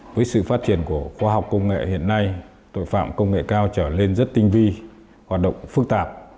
với sự phát triển của khoa học công nghệ hiện nay tội phạm công nghệ cao trở lên rất tinh vi hoạt động phức tạp